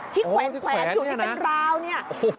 แขวนอยู่ที่เป็นราวเนี่ย